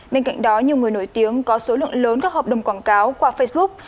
bên cạnh đó nhiều người nổi tiếng có số lượng lớn các hợp đồng quảng cáo qua facebook